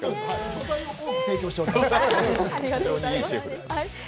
素材を多く提供しております。